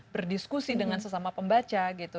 berdiskusi dengan sesama pembaca gitu